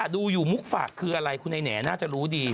ดูอยู่มุกฝากคืออะไรคุณไอ้แหน่น่าจะรู้ดี